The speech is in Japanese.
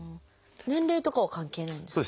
年齢とかは関係ないんですか？